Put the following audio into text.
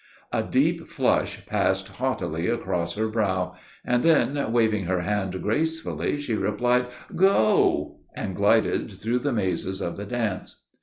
A deep flush passed haughtily across her brow, and then waving her hand gracefully, she replied, 'Go,' and glided through the mazes of the dance.